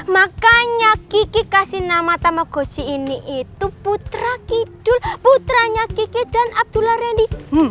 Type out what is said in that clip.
makanya kiki kasih nama tamagoci ini itu putra kidul putranya kiki dan abdullah randy